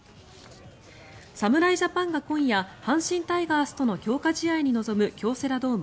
侍ジャパンが今夜阪神タイガースとの強化試合に臨む京セラドーム